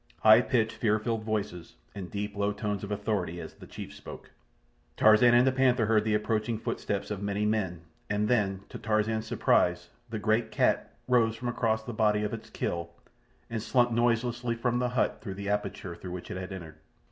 High pitched, fear filled voices, and deep, low tones of authority, as the chief spoke. Tarzan and the panther heard the approaching footsteps of many men, and then, to Tarzan's surprise, the great cat rose from across the body of its kill, and slunk noiselessly from the hut through the aperture through which it had entered.